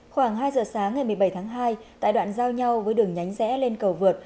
khoảng hai giờ sáng ngày một mươi bảy tháng hai tại đoạn giao nhau với đường nhánh rẽ lên cầu vượt